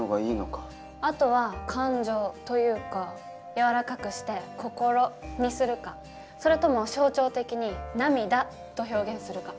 あとは「感情」と言うか軟らかくして「こころ」にするかそれとも象徴的に「涙」と表現するか。